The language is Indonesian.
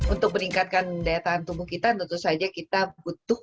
untuk meningkatkan daya tahan tubuh kita tentu saja kita butuh